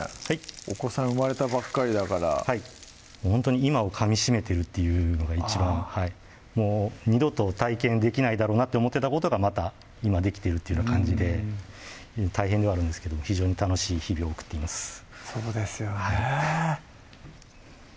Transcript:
お子さん生まれたばっかりだからほんとに今をかみしめてるというのが一番はいもう二度と体験できないだろうなと思ってたことがまた今できてるっていうような感じで大変ではあるんですけど非常に楽しい日々を送っていますそうですよね